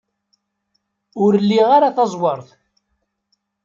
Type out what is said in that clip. Ur liɣ ara taẓwert.